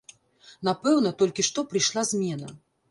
Напэўна, толькі што прыйшла змена.